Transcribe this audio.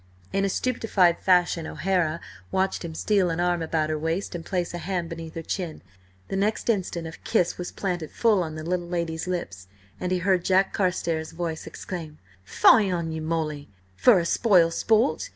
In a stupefied fashion O'Hara watched him steal an arm about her waist, and place a hand beneath her chin. The next instant a kiss was planted full on the little lady's lips, and he heard Jack Carstares' voice exclaim: "Fie on you, Molly, for a spoil sport!